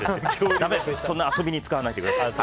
だめです、遊びに使わないでください。